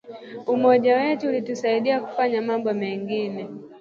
Umoja wetu ulitusaidia kufanya mambo mengi